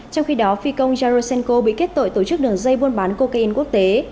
trong khi đó phi công jerosenco bị kết tội tổ chức đường dây buôn bán cocaine quốc tế